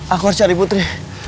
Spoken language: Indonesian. aku harus cari putri